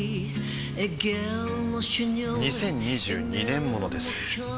２０２２年モノです